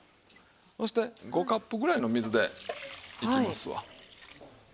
そして５カップぐらいの水でいきますわ。